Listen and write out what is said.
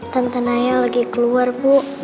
tante naya lagi keluar bu